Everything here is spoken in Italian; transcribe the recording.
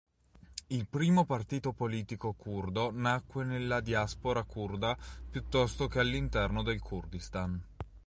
Il primo partito politico curdo nacque nella diaspora curda piuttosto che all'interno del Kurdistan.